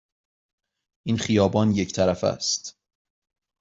این خیابان یک طرفه است.